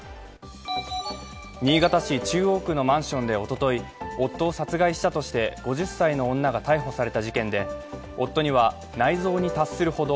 新潟市中央区のマンションでおととい、夫を殺害したとして５０歳の女が逮捕された事件で、夫には内臓に達するほど